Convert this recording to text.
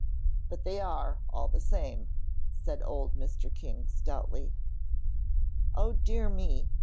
"But they are all the same," said old Mr. King, stoutly. "O dear me!